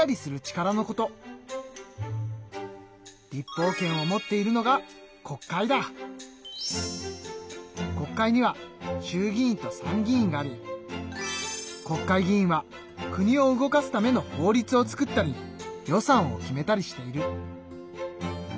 立法権を持っているのが国会には衆議院と参議院があり国会議員は国を動かすための法律を作ったり予算を決めたりしている。